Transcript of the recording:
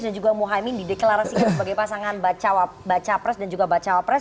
dan juga muhaimin dideklarasikan sebagai pasangan baca baca pres dan juga baca pres